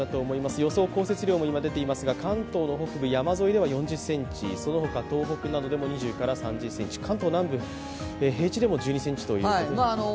予想降雪量も今出ていますが関東の北部、山沿いでは４０ｃｍ、そのほか東北などでも２０３０ｃｍ、関東南部、平地でも１２ｃｍということです。